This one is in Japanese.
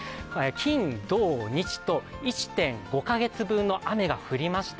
金、土、日と１．５か月分の雨が降りました。